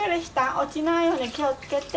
落ちないように気をつけて。